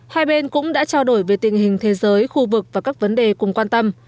hai bên cũng đã trao đổi về tình hình thế giới khu vực và các vấn đề cùng quan tâm